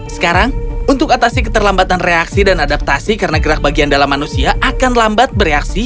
sekarang untuk atasi keterlambatan reaksi dan adaptasi karena gerak bagian dalam manusia akan lambat bereaksi